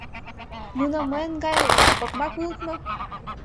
Нуно мыйын гай окмак улыт мо?